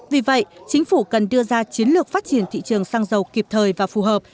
vì vậy chính phủ cần đưa ra chiến lược phát triển thị trường xăng dầu kịp thời và phù hợp